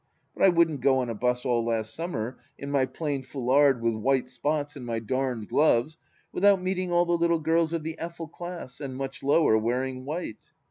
But I couldn't go on a bus all last summer, in my plain foulard with white spots and my darned gloves, without meeting all the little girls of the Effel class, and much lower, wearing white.